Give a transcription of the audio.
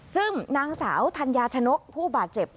ซึ่งนางสาวธัญญาชนกผู้บาดเจ็บ